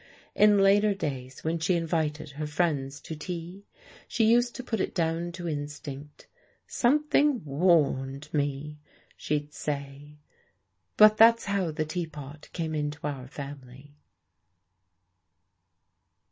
In later days when she invited her friends to tea, she used to put it down to instinct. "Something warned me," she'd say. But that's how the teapot came into our family.